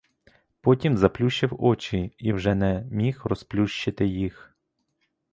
Потім заплющив очі і вже не міг розплющити їх.